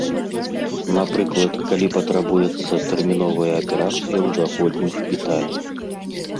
Напрыклад, калі патрабуецца тэрміновая аперацыя ў заходнім шпіталі.